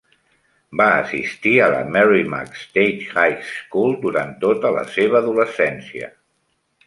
Va assistir a la Merrimac State High School durant tota la seva adolescència.